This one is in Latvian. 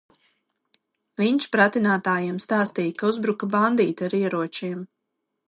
Viņš pratinātājiem stāstīja, ka uzbruka bandīti ar ieročiem.